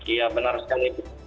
iya benar sekali bu